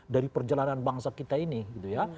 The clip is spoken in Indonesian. dari perjalanan bangsa kita ini gitu ya